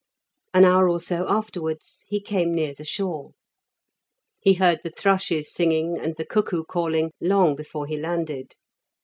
An hour or so afterwards he came near the shore; he heard the thrushes singing, and the cuckoo calling, long before he landed.